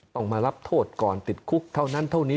ต้องมารับโทษก่อนติดคุกเท่านั้นเท่านี้